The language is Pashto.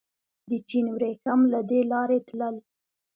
د چین وریښم له دې لارې تلل